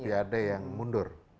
olimpiade yang mundur